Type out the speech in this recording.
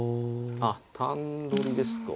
あっ単取りですか。